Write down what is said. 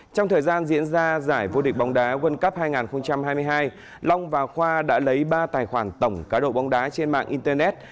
trong thời gian diễn ra giải vô địch bóng đá world cup hai nghìn hai mươi hai long và khoa đã lấy ba tài khoản tổng cá độ bóng đá trên mạng internet